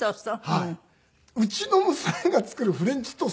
うちの娘が作るフレンチトースト